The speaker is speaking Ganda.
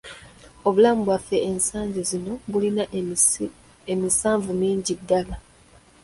Obulamu bwaffe ensangi zino bulina emisanvu mingi ddala.